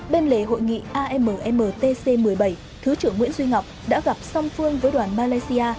bên lề hội nghị ammtc một mươi bảy thứ trưởng nguyễn duy ngọc đã gặp song phương với đoàn malaysia